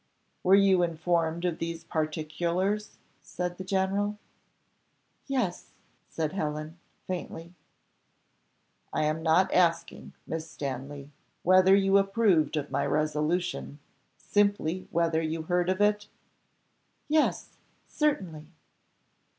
"Were you informed of these particulars?" said the general. "Yes," said Helen, faintly. "I am not asking, Miss Stanley, whether you approved of my resolution; simply whether you heard of it?" "Yes certainly."